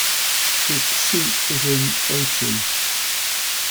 Its seat is in Oitti.